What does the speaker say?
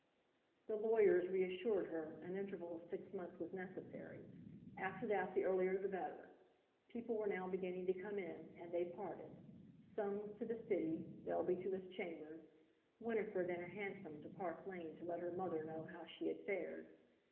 The lawyers reassured her, an interval of six months was necessary—after that the earlier the better. People were now beginning to come in, and they parted—Soames to the city, Bellby to his chambers, Winifred in a hansom to Park Lane to let her mother know how she had fared.